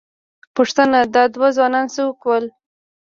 پوښتنه، دا دوه ځوانان څوک ول؟